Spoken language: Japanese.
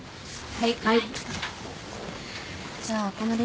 はい。